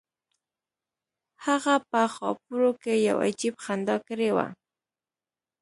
هغه په خاپوړو کې یو عجیب خندا کړې وه